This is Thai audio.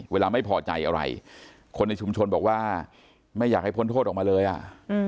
เวลาไม่พอใจอะไรคนในชุมชนบอกว่าไม่อยากให้พ้นโทษออกมาเลยอ่ะอืม